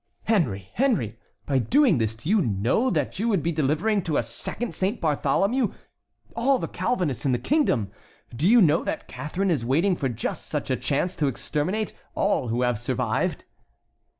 Henry, Henry, by doing this, do you know that you would be delivering to a second Saint Bartholomew all the Calvinists in the kingdom? Do you know that Catharine is waiting for just such a chance to exterminate all who have survived?"